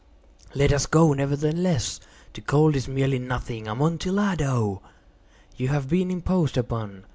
"Let us go, nevertheless. The cold is merely nothing. Amontillado! You have been imposed upon.